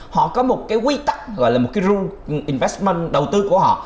họ có một cái quy tắc gọi là một cái rule investment đầu tư của họ